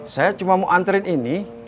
saya cuma mau antren ini